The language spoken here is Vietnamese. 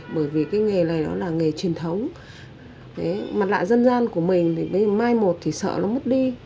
bởi vì cái nghề này là nghề truyền thống mặt lạ dân gian của mình mai một thì sợ nó mất đi